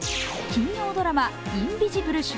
金曜ドラマ「インビジブル」